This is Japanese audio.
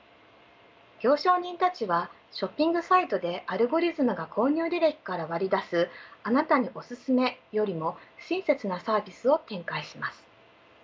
行商人たちはショッピングサイトでアルゴリズムが購入履歴から割り出す「あなたにおすすめ」よりも親切なサービスを展開します。